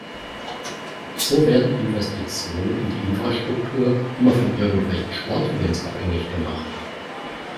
Wieso werden Investitionen in die Infrastruktur immer von irgendwelchen Sportevents abhängig gemacht?